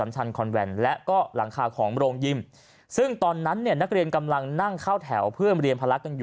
แต่เครนมันหักเลย